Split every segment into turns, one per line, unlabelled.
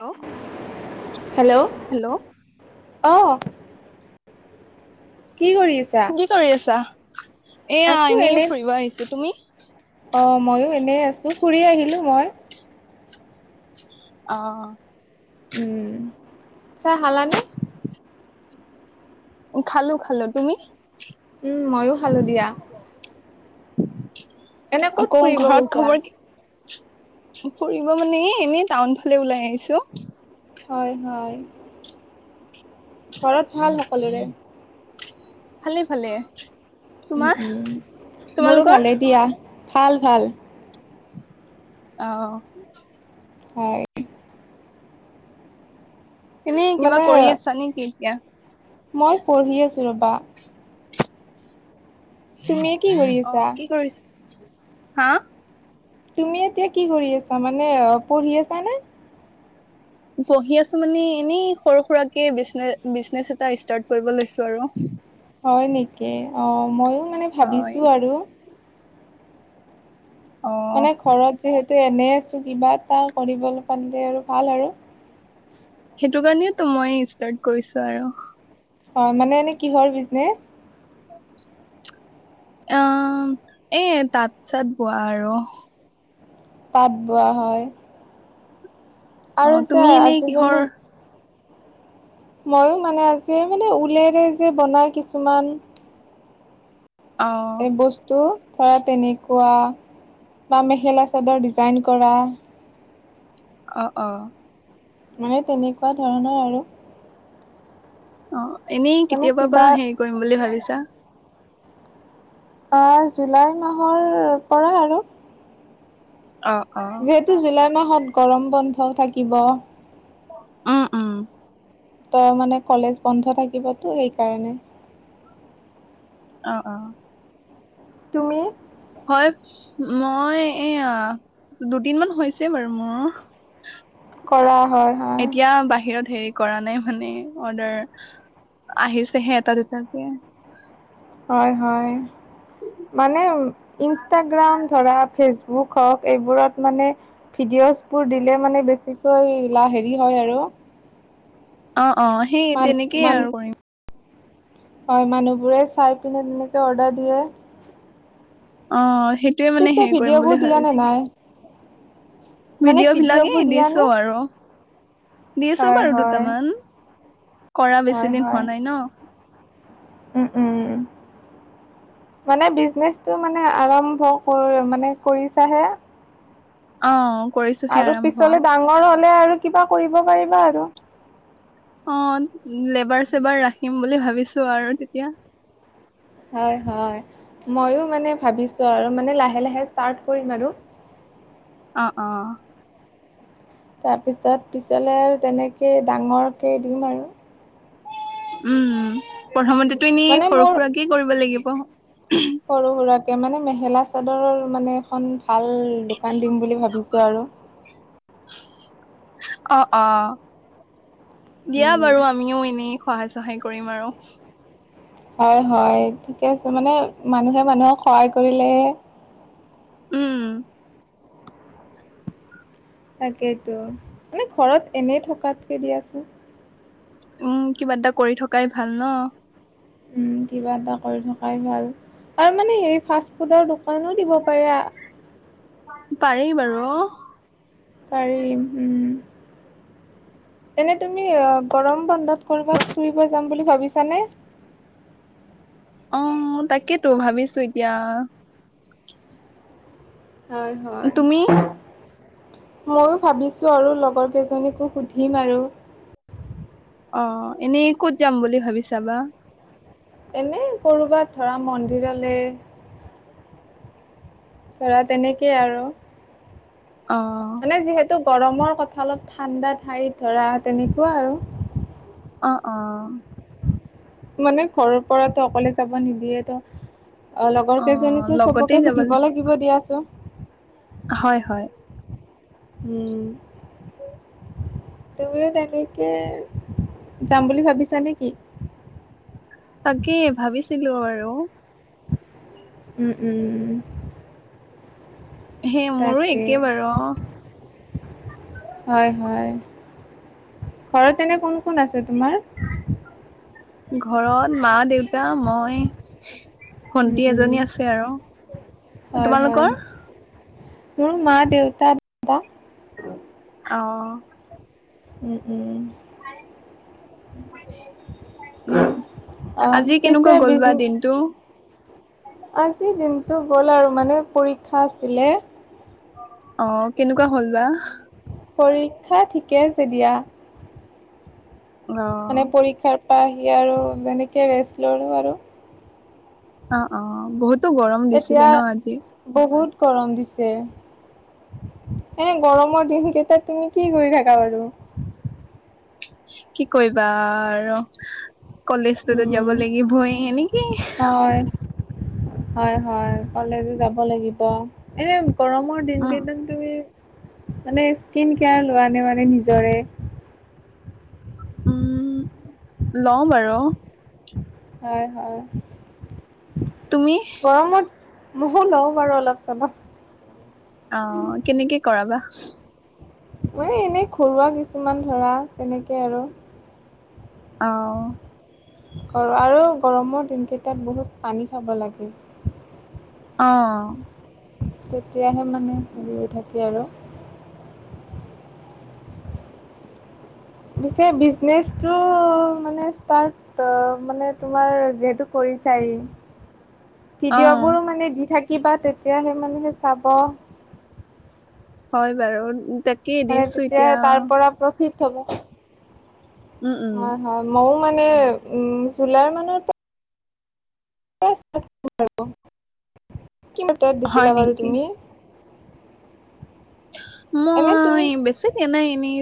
Hello
hello
hello
অ' কি কৰি আছা
কি কৰি আছা এয়া
আছো
এনেই
এনে
ফুৰিব আহিছো তুমি
অ মইো এনেই আছো ফুৰি আহিলো মই
অ
উম চাই হালানে
খালো খালো তুমি
উম ময়ো খালো দিয়া এনে ক'ত
আকৌ
ফুৰিব
ঘৰত
গৈছা
খবৰ কি ফুৰিব মানে এ এনেই টাউন ফালে ওলাই আহিছো
হয়, হয়। ঘৰত ভাল সকলোৰে।
ভালে, ভালে।
উ,
তোমাৰ
উম, মোৰো
তোমালোকৰ
ভালেই দিয়া ভাল, ভাল।
আহ,
হয়।
এনেই কিবা
মানে
কৰি আছা নেকি এতিয়া
মই পঢ়ি আছোঁ ৰ'বা। তুমি কি কৰি আছা
অ', কি কৰিছ হা।
তুমি এতিয়া কি কৰি আছা মানে পঢ়ি আছা নে?
পঢ়ি আছো মানে এনেই সৰু সুৰাকে বিনে বিজনেছ এটা ষ্টাৰ্ট কৰিব লৈছো আৰু।
হয় নেকি অ', ময়ো মানে
হয়
ভাবিছোঁ আৰু।
অ
মানে ঘৰত যিহেতু ত এনেই আছোঁ কিবা এটা কৰিব পানিলে আৰু ভাল আৰু।
সেইটো কাৰণেইো মই ষ্টাৰ্ট কৰিছো আৰু।
হয় মানে এনে কিহৰ বিজনেচ?
আহ এ তাত চাত বোৱা আৰু
পাত বোৱা হয়।
অ
আৰু যে
তুমি এনেই কিহৰ
আজিকালি মইো মানে আজি মানে ওলেৰে যে বনাই কিছুমান
অ
এই বস্তু ধৰা তেনেকুৱা বা মেখেলা চাদৰ ডিজাইন কৰা
অ', অ',।
মানে তেনেকুৱা ধৰণৰ আৰু
অ', এনেই
মানে
কেতিয়াবা
কিবা
পৰা হেৰি কৰিম বুলি ভাবিছা।
অ', জুলাই মাহৰ পৰা আৰু।
অ অ
যিহেতু জুলাই মাহত গৰম বন্ধ থাকিব।
উম, উম।
তই মানে কলেজ বন্ধ থাকিবতো সেইকাৰণে।
অ ', অ',।
তুমি।
হয় মই এইয়া, দুদিন মান হৈছে বাৰু মোৰ। [inaudible]
কৰা হয় হয়।
এতিয়া বাহিৰত হেৰি কৰা নাই মানে অৰ্ডাৰ আহিছেহে এটা দুটাকে।
হয় হয়। মানে ইনষ্টাগ্ৰাম ধৰা ফেচবুক হওঁক এইবোৰত মানে ভিডি য়চপোৰ দিলে মানে বেছিকৈ ইলা হেৰি হয় আৰু।
অ অ সেই
মান
তেনেকেই
মান
আৰু কৰিম
হয় মানুহবোৰে চাই পিনে তেনেকৈ অৰ্ডাৰ দিয়ে
অ সেইটোৱে মানে
পিছে
হেৰি কৰিম
ভিডিঅ'বোৰ
বুলি
দিয়া নে
ভাবিছো
নাই মানে
ভিডিঅ' বিলাকে
ভিডিঅ'বোৰ দিয়া নে
দিছো আৰু। দিছো
হয়
বাৰু
হয়
দুটামান, কৰা
হয়
বেছি দিন
হয়
হোৱা নাই ন
উম উম। মানে বিজনেচটো মানে আৰম্ভ কৰি মানে কৰিছাহে
অ কৰিছোহে
আৰু
আৰম্ভ
পিছলে ডাঙৰ হ'লে আৰু কিবা কৰিব পাৰিবা আৰু
অঁ লেবাৰ চেবাৰ ৰাখিম বুলি ভাবিছো আৰু তেতিয়া।
হয় হয় মইয়ো মানে ভাবিছো আৰু মানে লাহে লাহে ষ্টাৰ্ট কৰিম আৰু
অ অ
তাৰপিছত পিছলে আৰু তেনেকেই ডাঙৰকে দিম আৰু।
উম প্ৰথমতে তুমি
মানে
সৰু
মোৰ
সুৰাকেই কৰিব লাগিব
সৰু সুৰাকে মানে মেখেলা চাদৰৰ মানে এখন ভাল দোকান দিম বুলি ভাবিছো আৰু
অ অ দিয়া
উম,
বাৰু আমিও এনেই সহায় সহায় কৰিম আৰু
হয় হয় ঠিকে আছে মানে, মানুহে মানুহক সহায় কৰিলেহে
উম।
তাকেইতো মানে ঘৰত এনে থকাতকে দিয়া আছো
উম কিবা এটা কৰি থকাই ভাল ন
উম কিবা এটা কৰি থকাই ভাল। আৰু মানে হেৰি ফাষ্ট ফুডৰ দোকানো দিব পাৰা
পাৰি বাৰু
পাৰিম উম।
[inaudible]
এনে তুমি আ গৰম বন্ধত কৰ'বাত ফুৰিব যাম বুলি ভাবিছানে
[inaudible] অ তাকেইতো ভাবিছো এতিয়া
হয় হয়
তুমি
[unintelligible] মইয়ো ভাবিছো আৰু লগৰ কেইজনীকো সুধিম আৰু
অহ এনেই ক'ত যাম বুলি ভাবিছা বা
এনে ক'ৰবাত ধৰা মন্দিৰলে ধৰা তেনেকেই আৰু।
অ
মানে যিহেতু গৰমৰ কথা অলপ ঠাণ্ডা ঠাই ধৰা তেনেকুৱা আৰু
অ অ।
মানে ঘৰৰ পৰাতো অকলে যাব নিদিয়ে তো অ লগৰ
অ
কেইজনীকো
লগতেই
চবকে
যাব
সুধিব
লি
লাগিব দিয়াচোন
হয় হয়।
হম। তুমিও তেনেকে যাম বুলি ভাবিছা নেকি
তাকেই ভাবিছিলো আৰু
উম উম।
সেই মোৰো
তাকে।
একে বাৰু
হয় হয় ঘৰত এনে কোন কোন আছে তোমাৰ
ঘৰত মা দেউতা মই
উম
ভণ্টি
উম
এজনী আছে আৰু তোমালোকৰ
মোৰ মা দেউতা দাদা।
অ
উম উম
উম
অ
আজি
পিছে
কেনেকুৱা গ'ল বা দিনটো
আজিৰ দিনটো গ'ল আৰু মানে, পৰীক্ষা আছিলে।
অ কেনেকুৱা হ'ল বা
পৰীক্ষা ঠিকে যে দিয়া
অ
মানে পৰীক্ষাৰ পৰা আহি আৰু যেনেকে ৰেষ্ট ললো আৰু
অ অ বহুত
এতিয়া, বহুত গৰম দিছে। এনে গৰমৰ দিন কেইটাত তুমি কি কৰি থাকা বাৰু?
কি কৰিবা আৰু কলেজটোতো যাব
উম
লাগিবই এনেকেই।
হয় হয় হয় কলেজ যাব লাগিব এনে গৰমৰ
উম
দিনকেইদিন তুমি মানে স্কিন কেয়াৰ লোৱা নে মানে নিজৰে
উম লও বাৰু
হয় হয়
তুমি
গৰমত মই লওঁ বাৰু অলপ চলপ
অ কেনেকে কৰাবা
মই এনেই ঘৰুৱা কিছুমান ধৰা তেনেকে আৰু
অ'।
কৰ আৰু গৰমৰ দিনকেইটাত বহুত পানী খাব লাগে।
অ
তেতিয়াহে মানে হেৰি হৈ থাকে আৰু পিছে বিছনেজটো্ মানে ষ্টাৰ্ট ত মানে তোমাৰ যিহেতু কৰি বিচাৰি
অ
ভিডিঅ'বোৰ মানে দি থাকিবা তেতিয়াহে মানুহে চাব।
হয় বাৰু তাকে
মানে
দিছো
তেতিয়াহে
এতিয়া
তাৰ পৰা প্ৰফিট হব।
উম উম
হয় হয় মইও মানে উম জুলাইৰ মানৰ পৰা কি মাত্ৰাত [unintelligible]
হয়
দিছিলা বাৰু
নেকি
তুমি এনে
মই
তুমি
বেছি দিয়া নাই এনেই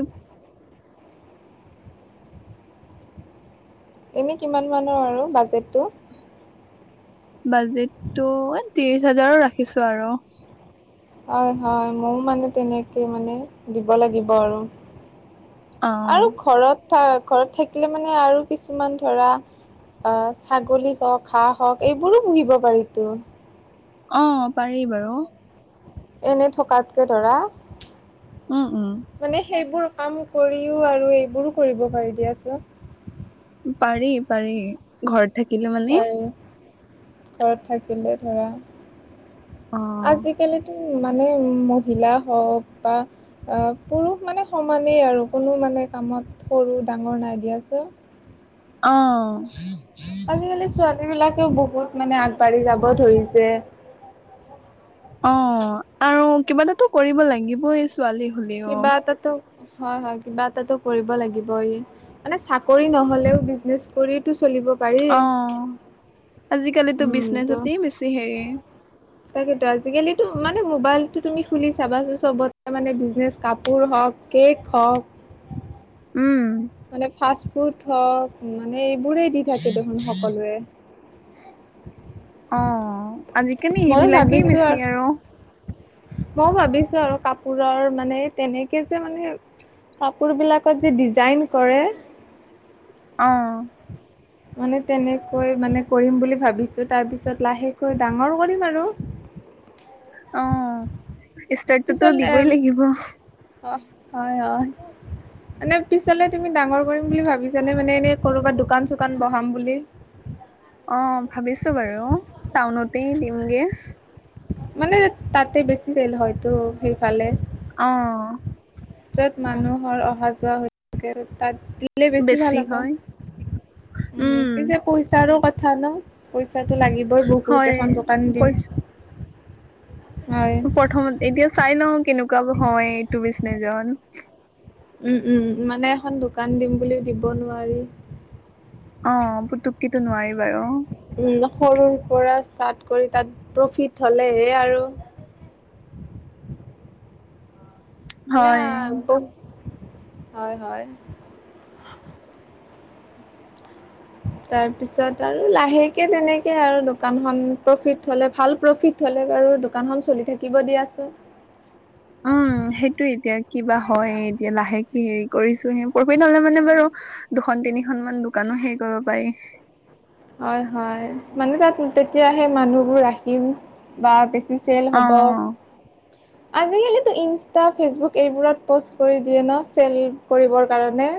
এনে কিমান মানৰ আৰু বাজেটটো
বাজেটটো ত্ৰিশ হাজাৰোৰ ৰাখিছো আৰু
হয় হয় ময়ো মানে তেনেকে মানে দিব লাগিব আৰু
অ
আৰু ঘৰত থাকিলে ঘৰত থাকিলে মানে আৰু কিছুমান ধৰা আহ ছাগলী হওক হাঁহ হওক এইবোৰো পুহিব পাৰিতো
অ পাৰি বাৰু
এনে থকাতকে ধৰা,
উম উম
মানে সেইবোৰ কাম কৰিও আৰু এইবোৰো কৰিব পাৰি দিয়াচোন
পাৰি পাৰি ঘৰত থাকিলে মানে
পাৰি ঘৰত থাকিলে ধৰা,
অ
আজিকালিতো মানে মহিলা হওক, বা পুৰুষ মানে সমানেই আৰু কোনো মানে কামত সৰু ডাঙৰ নাই দিয়াছে
অ',।
আজিকালি ছোৱালী সেইবিলাকেও বহুত মানে আগবাঢ়ি যাব ধৰিছে।
অ', আৰু কিবা এটাাতো কৰিব লাগিব এই ছোৱালী হলেও
কিবা এটাতো হয়, হয় কিবা এটাটো কৰিব লাগিব ই মানে চাকৰি নহ'লেও বিজনেচ কৰিতো চলিব পাৰি
অ',। আজিকালিতো
উম ত
বিজনেছতেই বেছি হেৰি
তাকেতো আজিকালিতো মানে মোবাইলতটো তুমি খুলি চাবাচোন চবতে মানে বিজনেচ কাপোৰ হওক কেক হওক
উম।
মানে ফাষ্ট ফুড হওক মানে এইবোৰেই দি থাকে দেখোন সকলোৱে [unintelligible]
অ', আজিকালি সেইবিলাকেই বেছি আৰু।
মইও ভাবিছো আৰু কাপোৰৰ মানে তেনেকে যে মানে কাপোৰ বিলাকত যে ডিজাইন কৰে।
আহ।
মানে তেনেকৈ মানে কৰিম বুলি ভাবিছো তাৰপিছত লাহেকৈ ডাঙৰ কৰিম আৰু
অ', ষ্টাৰ্টটোতো
পিছল এ
দিবই লাগিব।
অ', হয়, হয় মানে পিছালে তুমি ডাঙৰ কৰিম বুলি ভাবিছানে মানে এনে কৰবাত দোকান চোকান বহাম বুলি
অ', ভাবিছো বাৰু টাউনতেই দিমগে।
মানে তাতে বেছিছিল হয়তো সেইফালে।
অ'।
তাত মানুহৰ অহা শ-যোৱা হৈ থাকে। তাত দি লে বেছি ভাল হ'ব। উম।
উম
পিছে পইচাৰো কথা কথা ন? পইচাটো লাগিবই বহুত
হয়
এখন দোকান দিম।
কৈছ
হয়
প্ৰথমত এতিয়া চাই লওঁ কেনেকুৱা হয় এইটো বিচনেজন
উম, উম। মানে এখন দোকান দিম বুলিও দিব নোৱাৰি।
অ', পুটুকেতো নোৱাৰি বাৰু।
উম, সৰুৰ পৰা ষ্টাৰ্ট কৰি তাত প্ৰফিট হ'লেহে আৰু
[inaudible]
মানে আ
হয়
বহুত, হয়, হয়।
[inaudible]
তাৰপিছত আৰু লাহেকে তেনেকে আৰু দোকানখন প্ৰফিট হ'লে ভাল প্ৰফিট হ'লে বাৰু দোকান খন চলি থাকিব দিয়াচোন।
[inaudible] উম, সেইটোয় এতিয়া কিবা হয়। এতিয়া লাহেকে হেৰি কৰিছো, প্ৰৰ্ফিত হ'লে মানে বাৰু দুখন-তিনিখনমানা দোকানো হেৰি কৰিব পাৰি।
হয়, হয়। মানে তাত তেতিয়াহে মানুহবোৰ আহিম বা বেছি চেল
অ
হ'ব। আজিকালিতো ইনষ্টা, ফেচবুক এইবোৰত প'ষ্ট কৰি দিয়ে ন চেল কৰিবৰ কাৰণে।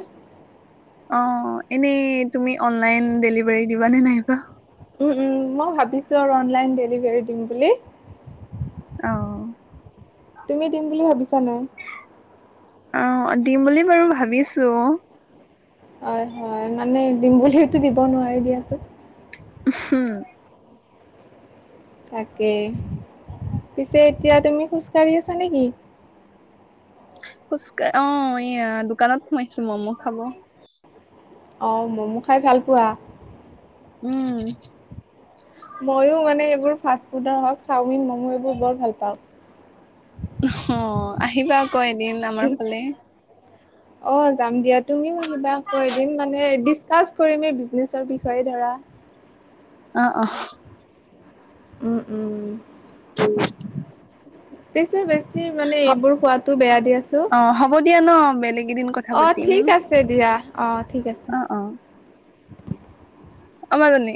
অ', এনেই তুমি অনলাইন ডেলিভাৰী দিব নে নাইবা?
উম, উম। মই ভাবিছো আৰু অনলাইন ডেলিভাৰী দিম বুলি।
অ
তুমি দিম বুলি ভাবিছা নাই?
অ', দিম বুলি বাৰু ভাবিছো।
হয়, হয়। মানে দিম বুলিতো দিব নোৱাৰি দিয়াচোন।
উহুম।
তাকে। পিছে এতিয়া তুমি খোজকাঢ়ি আছা নেকি?
খোজকাঢ়, অ', এয়া দোকানত সোমাইছো মম' খাব।
অ', ম'ম' খাই ভাল পোৱা?
উম।
ময়ো মানে এইবোৰ ফাচফুডৰ হওঁক, চাওমিন, মম' এইবোৰ বৰ ভাল পাওঁ।
অ', আহিবা আকৌ এদিন আমাৰ ফালে।
অ', যাম দিয়া তুমিও আহিবা আকৌ এদিন মানে দি স্কছ কৰিম এই বিজনেছৰ বিষয়ে ধৰা।
অ', অ'।
উম, উম।
[inaudible]
পিছে বেছি মানে এইবোৰ খোৱাতো বেয়া দিয়াচোন।
অ', হ'ব দিয়া ন বেলেগ এদিন কথা পাতিম।
দিয়া অ ঠিক আছে।
অ', অ। আমাজনী